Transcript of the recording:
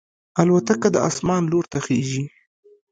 الوتکه د اسمان لور ته خېژي.